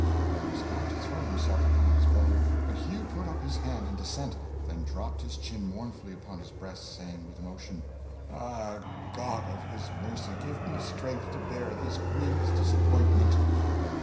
He was about to throw himself upon his brother; but Hugh put up his hand in dissent, then dropped his chin mournfully upon his breast, saying with emotion "Ah, God of his mercy give me strength to bear this grievous disappointment!"